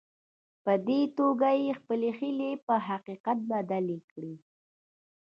په دې توګه يې خپلې هيلې په حقيقت بدلې کړې.